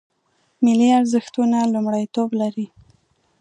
ملي ارزښتونه لومړیتوب لري